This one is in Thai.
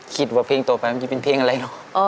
คิดว่าเพลงต่อไปมันจะเป็นเพลงอะไรเนอะ